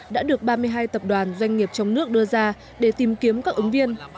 đã được ba mươi hai tập đoàn doanh nghiệp trong nước đưa ra để tìm kiếm các ứng viên